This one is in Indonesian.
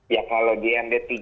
ya kalau di md tiga